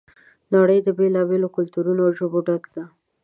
نړۍ د بېلا بېلو کلتورونو او ژبو ډکه ده.